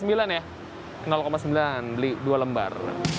sembilan beli dua lembar